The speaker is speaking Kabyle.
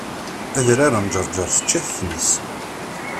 Adrar n Ǧerǧer tečča-t tmes